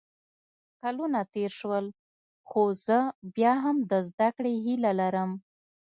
کلونه تېر شول خو زه بیا هم د زده کړې هیله لرم